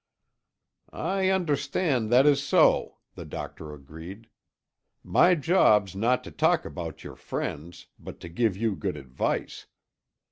"I understand that is so," the doctor agreed. "My job's not to talk about your friends, but to give you good advice.